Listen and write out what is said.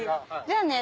じゃあね。